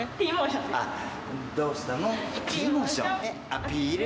アピール。